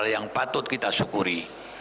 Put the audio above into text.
yang patut kita syukuri